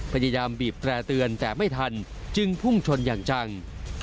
พยายามบีบแตร่เตือนแต่ไม่ทันจึงพุ่งชนอย่างจัง